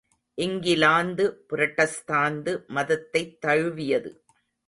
இங்கிலாந்து புரட்டஸ்தாந்து மதத்தைத் தழுவியது.